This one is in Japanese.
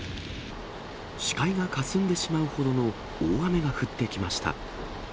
視界がかすんでしまうほどの大雨が降ってきました。